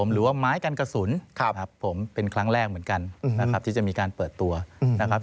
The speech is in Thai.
หรือว่าไม้กันกระสุนครับผมเป็นครั้งแรกเหมือนกันนะครับที่จะมีการเปิดตัวนะครับ